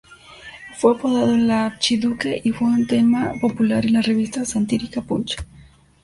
Fue apodado "El Archiduque" y fue un tema popular en la revista satírica Punch.